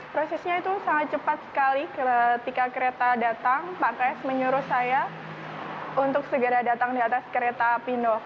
prosesnya itu sangat cepat sekali ketika kereta datang pak ks menyuruh saya untuk segera datang di atas kereta apino